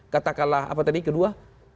katakanlah apa tadi kedua